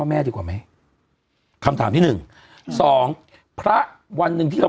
แม่ดีกว่าไหมคำถามที่หนึ่งสองพระวันหนึ่งที่เรา